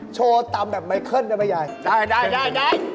โชว์ตำแบบไม่เข้นได้ไหมยายได้